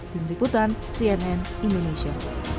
tim liputan cnn indonesia